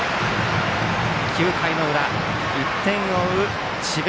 ９回の裏、１点を追う智弁